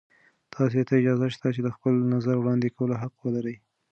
تاسې ته اجازه شته چې د خپل نظر وړاندې کولو حق ولرئ.